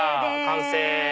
完成！